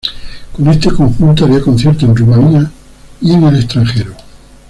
Con este conjunto haría conciertos en Rumania y en el extranjero.